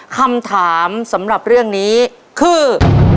คำถามสำหรับเรื่องนี้คือ